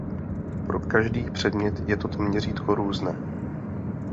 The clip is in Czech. Pro každý předmět je toto měřítko různé.